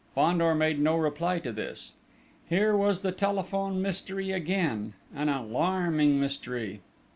Fandor made no reply to this. Here was the telephone mystery again an alarming mystery.